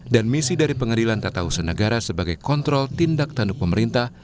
dan misi dari pengadilan tata usaha negara sebagai kontrol tindak tanduk pemerintah